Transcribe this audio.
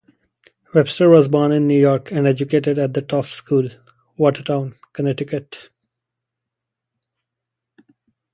Webster was born in New York and educated at The Taft School, Watertown, Connecticut.